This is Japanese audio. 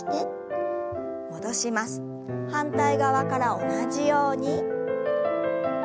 反対側から同じように。